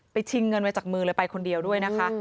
ชิงเงินไว้จากมือเลยไปคนเดียวด้วยนะคะ